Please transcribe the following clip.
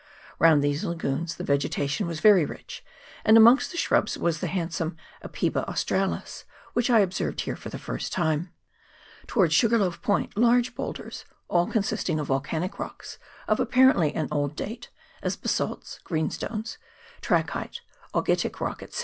Round these lagoons the vegetation was very rich, and amongst the shrubs was the handsome Apeiba australis, which I observed here for the first time. Towards Sugarloaf Point large boulders, all consisting of volcanic rocks of apparently an old date, as basalts, greenstones, trachyte, augitic rock, &c.